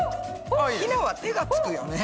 ひなは手がつくよね。